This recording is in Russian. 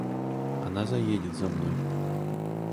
Она заедет за мной.